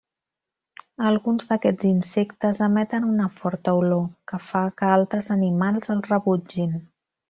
Alguns d'aquests insectes emeten una forta olor, que fa que altres animals els rebutgin.